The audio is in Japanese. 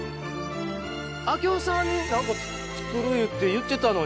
明雄さんに何か作るって言ってたのに。